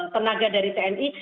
tenaga dari tni